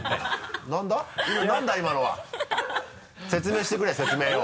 説明してくれ説明を。